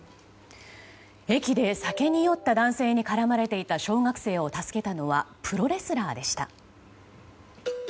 駅で酒に酔った男性に絡まれていた小学生を助けたのはプロレスラーでした。